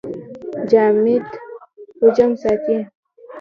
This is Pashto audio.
جامد حجم ساتي.